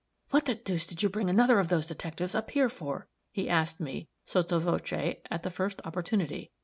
"What the deuce did you bring another of those detectives up here for?" he asked me, sotto voce, at the first opportunity.